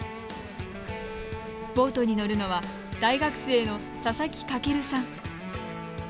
ボートに乗るのは大学生の佐々木翔さん。